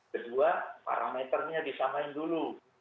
kedua parameternya disamakan dulu